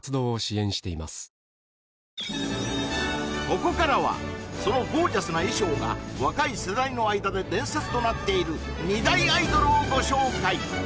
ここからはそのゴージャスな衣装が若い世代の間で伝説となっている２大アイドルをご紹介